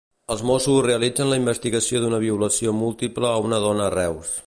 El Mossos realitzen la investigació d'una violació múltiple a una dona a Reus.